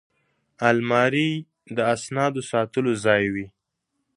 الماري د اسنادو ساتلو ځای وي